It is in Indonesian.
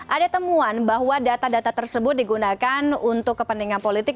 ada temuan bahwa data data tersebut digunakan untuk kepentingan politik